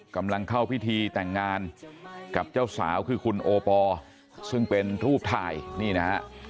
กำลังเข้าพิธีแต่งงานกับเจ้าสาวคือคุณโอปอลซึ่งเป็นรูปถ่ายนี่นะฮะ